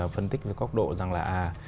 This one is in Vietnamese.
phân tích với góc độ rằng là